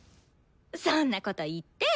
そんなこと言って。